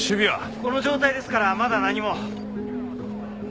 この状態ですからまだ何も。